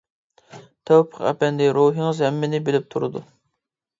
تەۋپىق ئەپەندى، روھىڭىز ھەممىنى بىلىپ تۇرىدۇ.